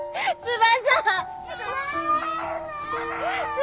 翼！